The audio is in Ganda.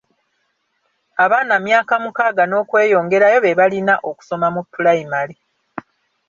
Abaana myaka mukaaga n'okweyongerayo be balina okusoma mu pulayimale.